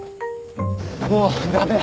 もう駄目。